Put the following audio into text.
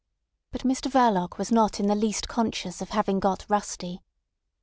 But Mr Verloc was not in the least conscious of having got rusty.